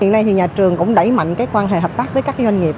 hiện nay thì nhà trường cũng đẩy mạnh quan hệ hợp tác với các doanh nghiệp